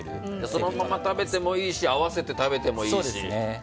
そのまま食べてもいいし合わせて食べてもいいし。